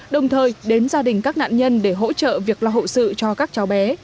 đồng thời đến gia đình các nạn nhân để hỗ trợ việc lo hậu sự cho các cháu bé